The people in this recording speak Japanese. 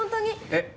えっ？